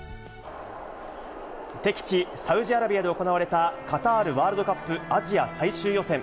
敵地、サウジアラビアで行われたカタールワールドカップアジア最終予選。